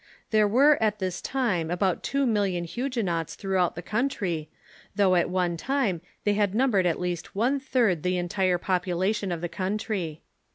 There were at this time about two million Huguenots throughout the country, though at one time they had num bered at least one third the entire population of the country.